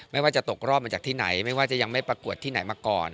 ไม่ว่าจะตกรอบมาจากที่ไหนไม่ว่าจะยังไม่ประกวดที่ไหนมาก่อน